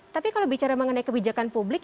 tapi kalau bicara mengenai kebijakan publik